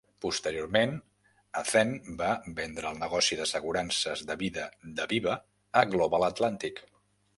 Posteriorment, Athene va vendre el negoci d'assegurances de vida d'Aviva a Global Atlantic.